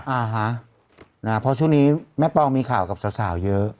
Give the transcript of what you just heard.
อ่าฮะนะเพราะช่วงนี้แม่ปองมีข่าวกับสาวเยอะ